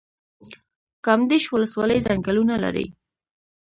کامدیش ولسوالۍ ځنګلونه لري؟